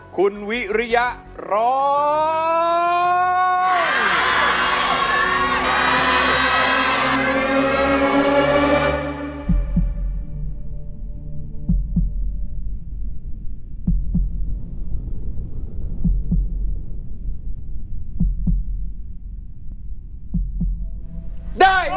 คุณวิริยะร้อง